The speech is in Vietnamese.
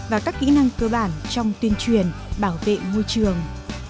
và các kỹ năng cơ bản trong tuyên truyền bảo vệ môi trường